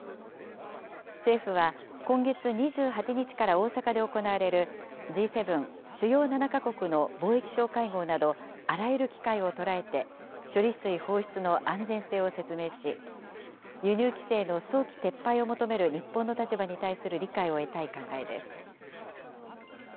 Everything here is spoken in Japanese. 政府は、今月２８日から大阪で行われる、Ｇ７・主要７か国の貿易相会合など、あらゆる機会を捉えて、処理水放出の安全性を説明し、輸入規制の早期撤廃を求める日本の立場に対する理解を得たい考えです。